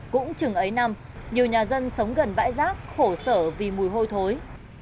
cũng chừng ấy năm nhiều nhà dân sống gần bãi rác khổ sở vì mùi hôi thối